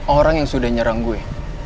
orang yang sudah nyerang gue